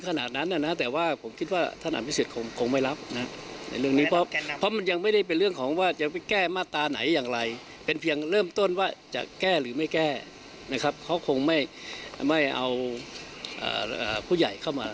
กับผู้ใหญ่เข้ามา